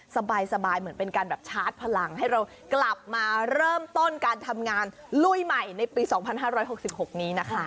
สบายสบายเหมือนเป็นการแบบชาร์จพลังให้เรากลับมาเริ่มต้นการทำงานลุยใหม่ในปีสองพันห้าร้อยหกสิบหกนี้นะคะ